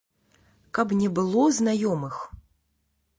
Каб не было знаёмых.